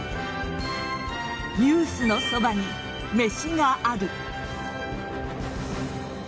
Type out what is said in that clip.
「ニュースのそばに、めしがある。」